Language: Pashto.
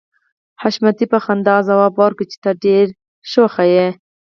حشمتي په خندا ځواب ورکړ چې ته ډېره شوخه يې